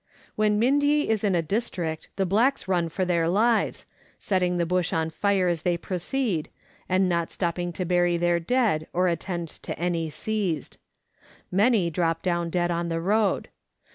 When Mindye is in a district the blacks run for their lives, setting the bush on fire as they proceed, and not stopping to bury their dead or attend to any seized. Many drop down dead on the road.